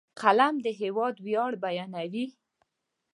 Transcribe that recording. قلم د هېواد ویاړ بیانوي